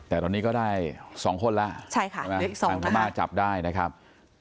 แต่ตอนนี้ก็ได้๒คนแล้วทางพม่าจับได้นะครับ